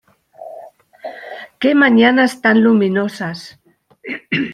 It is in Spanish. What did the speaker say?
Qué mañanas tan luminosos.